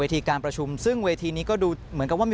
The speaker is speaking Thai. ทีการประชุมซึ่งเวทีนี้ก็ดูเหมือนกับว่ามี